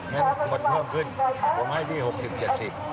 เพราะฉะนั้นคนเพิ่มขึ้นผมให้ที่๖๐๗๐บาท